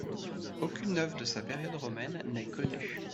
Aucune œuvre de sa période romaine n'est connue.